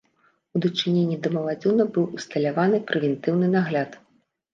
У дачыненні да маладзёна быў усталяваны прэвентыўны нагляд.